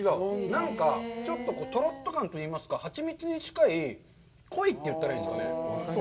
なんかちょっと、とろっと感といいますか、蜂蜜に近い、濃いといったらいいんですかね。